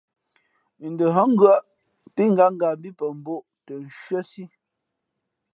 N ndα hά ngʉᾱʼ pí ngánga mbí pαmbᾱ ō tα nshʉ́άsí.